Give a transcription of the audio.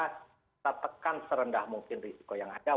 kita tekan serendah mungkin risiko yang ada